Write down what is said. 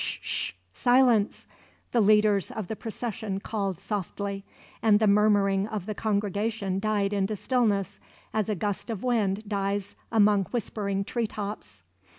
"Sh sh! Silence!" the leaders of the procession called softly; and the murmuring of the congregation died into stillness, as a gust of wind dies among whispering tree tops.